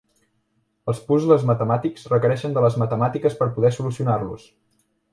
Els puzles matemàtics requereixen de les matemàtiques per poder solucionar-los.